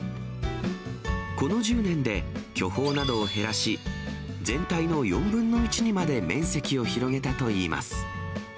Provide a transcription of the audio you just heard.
この１０年で巨峰などを減らし、全体の４分の１にまで面積を広げたといいます。